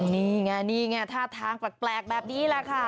นี่ไงนี่ไงท่าทางแปลกแบบนี้แหละค่ะ